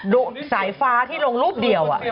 สายฟ้าที่ลงรูปเดียว